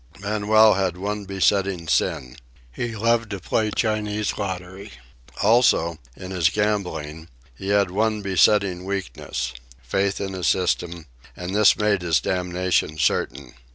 Manuel had one besetting sin. He loved to play Chinese lottery. Also, in his gambling, he had one besetting weakness—faith in a system; and this made his damnation certain.